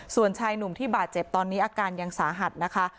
ส่วนชายหนุ่มที่บาดเจ็บตอนนี้อาการยังสาหัสนะคะ